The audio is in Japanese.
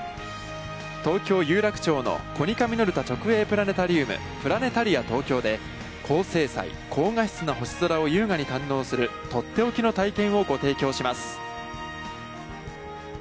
東京・有楽町のコニカミノルタ直営プラネタリウム「プラネタリアＴＯＫＹＯ」で、高精細・高画質な星空を優雅に堪能する、とっておきの体験をご提供します。